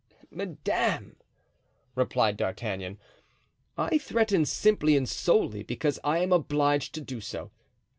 "Madame," replied D'Artagnan, "I threaten simply and solely because I am obliged to do so.